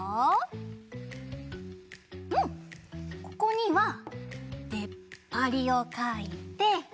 ここにはでっぱりをかいて。